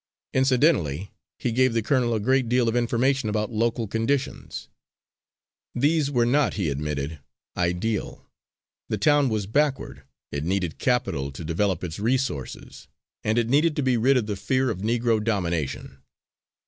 Incidentally he gave the colonel a great deal of information about local conditions. These were not, he admitted, ideal. The town was backward. It needed capital to develop its resources, and it needed to be rid of the fear of Negro domination.